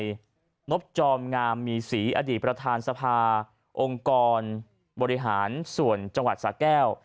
นายนบจอมงามมีศรีอดีตประธานสภาองค์กรบริหารส่วนจังหวัดสาแก้ว